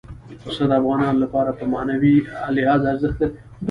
پسه د افغانانو لپاره په معنوي لحاظ ارزښت لري.